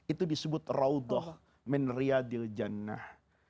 itu disebut raudhah minriyadil jannah